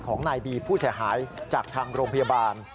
ของนายบีผู้เสียหายจากทางโรงพยาบาล